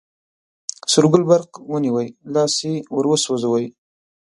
سور ګل برق ونیوی، لاس یې وروسوځوی.